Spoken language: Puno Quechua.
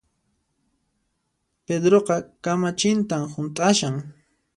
Pedroqa kamachintan hunt'ashan